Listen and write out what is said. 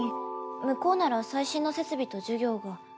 向こうなら最新の設備と授業が。